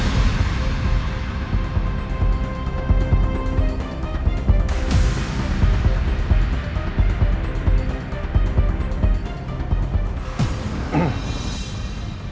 saya dipercaya biar sama mama